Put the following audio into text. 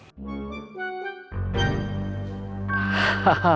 gampang atu ya